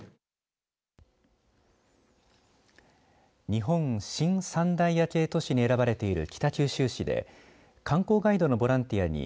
日本新三大夜景都市に選ばれている北九州市で観光ガイドのボランティアに